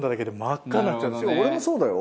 俺もそうだよ。